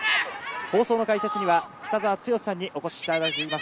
解説には北澤豪さんにお越しいただいています。